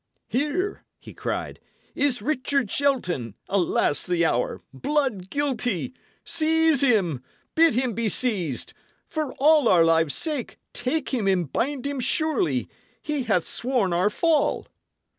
"Here," he cried, "is Richard Shelton alas the hour! blood guilty! Seize him! bid him be seized! For all our lives' sakes, take him and bind him surely! He hath sworn our fall."